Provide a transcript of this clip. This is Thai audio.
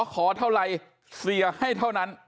ขอเท่าไรเสียให้เท่านั้น